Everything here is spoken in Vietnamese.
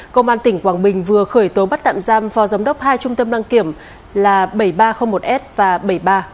công an tỉnh quảng bình vừa khởi tố bắt tạm giam phò giống đốc hai trung tâm đăng kiểm là bảy nghìn ba trăm linh một s và bảy nghìn ba trăm linh ba d